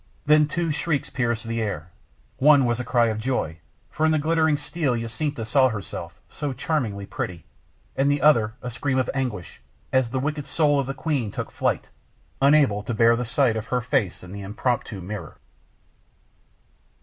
Then two shrieks pierced the air. One was a cry of joy, for in the glittering steel Jacinta saw herself, so charmingly pretty and the other a scream of anguish, as the wicked soul of the queen took flight, unable to bear the sight of her face in the impromptu mirror.